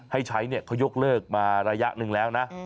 ให้ใช้เขายกเลิกมาระยะหนึ่งแล้วนะ